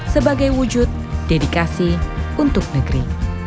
sebagai wujud dedikasi untuk negeri